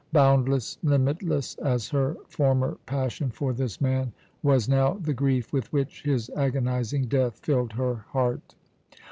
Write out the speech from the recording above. Boundless, limitless as her former passion for this man, was now the grief with which his agonizing death filled her heart.